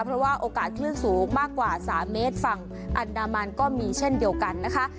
เพราะว่าโอกาสคลื่นสูงมากกว่า๓เมตรฝั่งอันดามันก็มีเช่นเดียวกันนะคะ